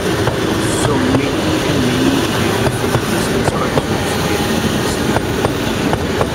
So Mickey and Minnie play different Christmas cartoons to get him in the spirit.